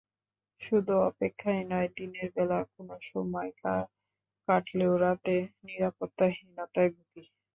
শুধু অপেক্ষাই নয়, দিনের বেলা কোনো রকম কাটলেও রাতে নিরাপত্তাহীনতায় ভুগি।